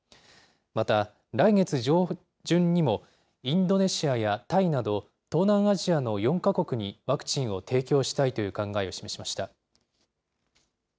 また、来月上旬にもインドネシアやタイなど、東南アジアの４か国にワクチンを提供したいという考えを示しました。